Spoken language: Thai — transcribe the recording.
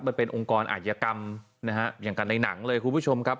มันเป็นองค์กรอาธิกรรมนะฮะอย่างกับในหนังเลยคุณผู้ชมครับ